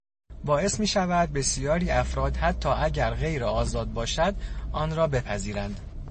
باعث میشود بسیاری افراد حتی اگر غیر آزاد باشد، آن را بپذیرند